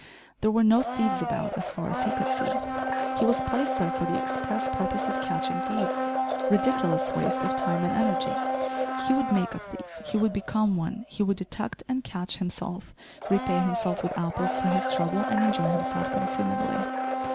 There were no thieves about as far as he could see. He was placed there for the express purpose of catching thieves. Ridiculous waste of time and energy he would make a thief! He would become one; he would detect and catch himself; repay himself with apples for his trouble, and enjoy himself consumedly!